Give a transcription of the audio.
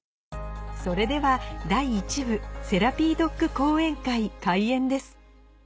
それでは第１部セラピードッグ講演会開演です